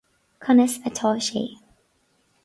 Conas atá sé